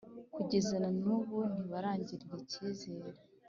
Kugeza na n’ubu ntibarangirira icyizere